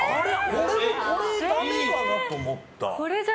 俺もこれダメかなと思った。